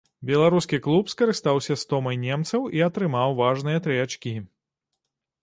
Беларускі клуб скарыстаўся стомай немцаў і атрымаў важныя тры ачкі.